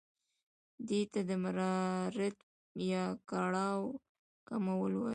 دې ته د مرارت یا کړاو کمول وايي.